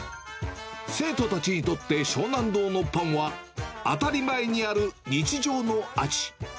生徒たちにとって湘南堂のパンは、当たり前にある日常の味。